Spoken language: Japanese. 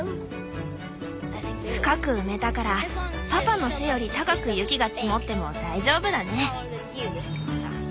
深く埋めたからパパの背より高く雪が積もっても大丈夫だね。